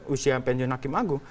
usia pensiun hakim agung